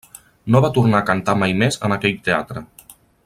No va tornar a cantar mai més en aquell teatre.